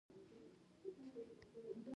آیا او څوک نه پریږدي؟